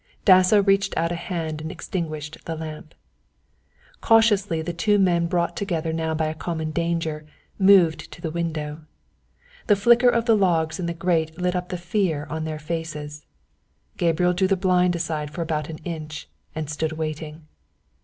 Dasso reached out a hand and extinguished the lamp. Cautiously the two men, brought together now by a common danger, moved to the window; the flicker of the logs in the grate lit up the fear on their faces. Gabriel drew the blind aside for about an inch and stood waiting.